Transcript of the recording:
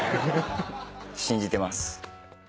信じてます。